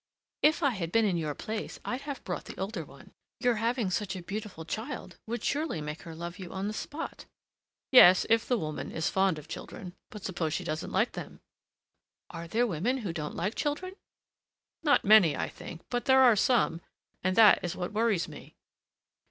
"If I had been in your place, I'd have brought the older one. Your having such a beautiful child would surely make her love you on the spot!" "Yes, if the woman is fond of children; but suppose she doesn't like them?" "Are there women who don't like children?" "Not many, I think; but there are some, and that is what worries me."